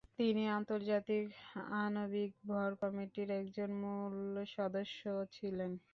তিনি আন্তর্জাতিক আণবিক ভর কমিটির একজন মূল সদস্য ছিলেন।